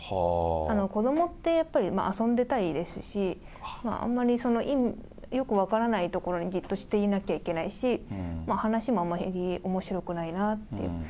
子どもって、やっぱり遊んでたいですし、あんまりよく分からない所にじっとしていなきゃいけないし、話もあまりおもしろくないなって。